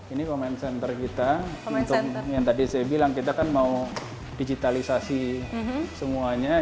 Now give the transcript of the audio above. ini comment center kita untuk yang tadi saya bilang kita kan mau digitalisasi semuanya